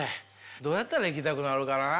どうやったら行きたくなるかな？